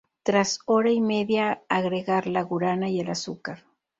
Tras hora y media, agregar la guaraná y el azúcar.